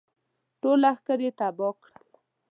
ټول لښکر یې تباه کړل.